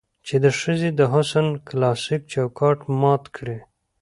چې د ښځې د حسن کلاسيک چوکاټ مات کړي